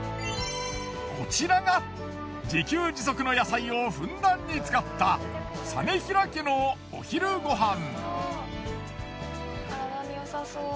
こちらが自給自足の野菜をふんだんに使った實平家のお昼ごはん。